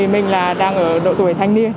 mình là đang ở độ tuổi thanh niên